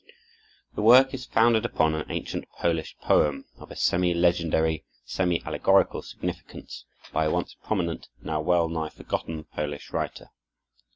The work is founded upon an ancient Polish poem of a semi legendary, semi allegorical significance, by a once prominent, now well nigh forgotten Polish writer.